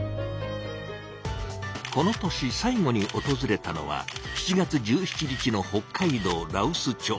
この年最後におとずれたのは７月１７日の北海道羅臼町。